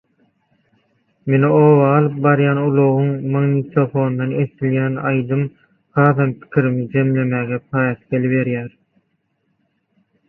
Meni oba alyp barýan ulagyň magnitofonyndan eşdilýän aýdym hasam pikirimi jemlemäge päsgel berýär: